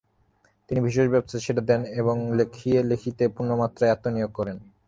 তিনি ভেষজ-ব্যবসা ছেড়ে দেন এবং লেখা-লেখিতে পুরোমাত্রায় আত্মনিয়োগ করেন।